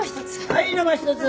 はい生一つ。